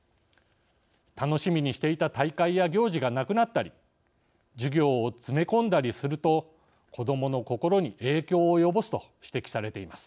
楽しみにしていた大会や行事がなくなったり授業を詰め込んだりすると子どもの心に影響を及ぼすと指摘されています。